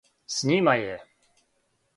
С њима је.